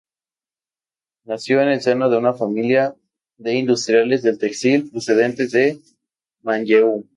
Nació en el seno de su familia de industriales del textil, procedentes de Manlleu.